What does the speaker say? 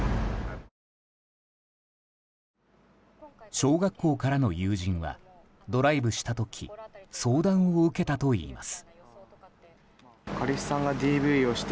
小学校からの友人はドライブした時相談を受けたといいます。